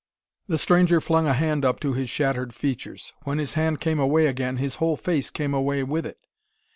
The stranger flung a hand up to his shattered features. When his hand came away again, his whole face came away with it!